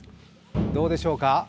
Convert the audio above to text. どうでしょうか。